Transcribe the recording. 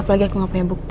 apalagi aku gak punya bukti